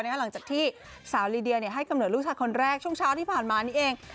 หลังจากที่สาวลีเดียให้กำเนิดลูกชายคนแรกช่วงเช้าที่ผ่านมานี่เอง